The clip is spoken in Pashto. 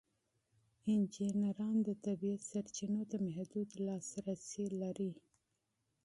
انجینران د طبیعت سرچینو ته محدود لاسرسی لري.